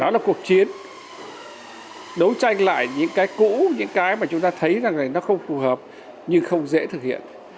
đối tranh lại những cái cũ những cái mà chúng ta thấy là nó không phù hợp nhưng không dễ thực hiện